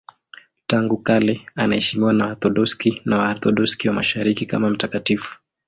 Tangu kale anaheshimiwa na Waorthodoksi na Waorthodoksi wa Mashariki kama mtakatifu.